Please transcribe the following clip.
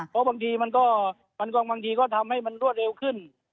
ครับครับเพราะบางทีมันก็ทำให้มันรวดเร็วขึ้น